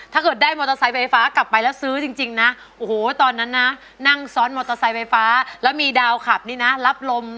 ถ้าเกิดได้มอเตอร์ไซต์ไฟฟ้ากลับไปแล้วซื้อจริงนะ